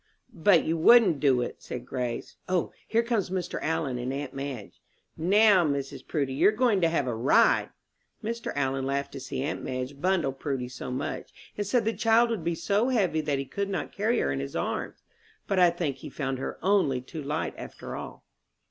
"But you wouldn't do it," said Grace. "O, here come Mr. Allen and aunt Madge. Now, Mrs. Prudy, you're going to have a ride." Mr. Allen laughed to see aunt Madge bundle Prudy so much, and said the child would be so heavy that he could not carry her in his arms; but I think he found her only too light after all.